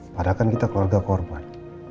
padahal kan kita keluarga korban